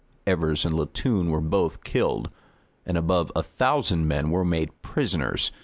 Evers and Latoun were both killed, and above a thousand men were made prisoners.